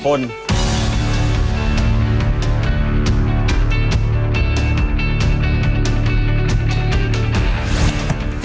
จอของสำคัญ